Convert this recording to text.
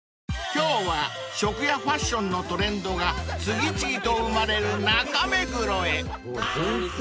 ［今日は食やファッションのトレンドが次々と生まれる中目黒へ］